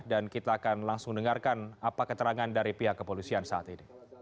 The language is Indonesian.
dan kita akan langsung dengarkan apa keterangan dari pihak kepolisian saat ini